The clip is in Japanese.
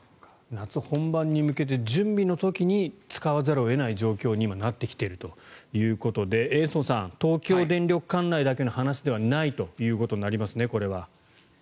夏本番に向けて準備の時に使わざるを得ない状況に今、なってきているということで延増さん、東京電力管内だけの話ではないということになりますね。